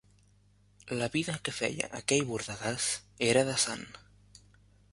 La vida que feia aquell bordegàs, era de sant